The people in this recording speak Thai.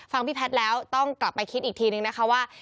พี่แพทย์แล้วต้องกลับไปคิดอีกทีนึงนะคะว่า